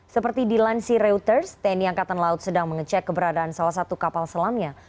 seperti dilansir reuters tni angkatan laut sedang mengecek keberadaan salah satu kapal selamnya